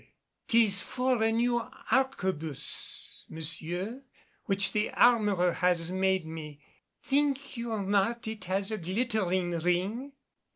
"'Tis for a new arquebus, monsieur, which the armorer has made me. Think you not it has a glittering ring?"